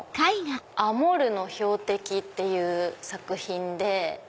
『アモルの標的』っていう作品で。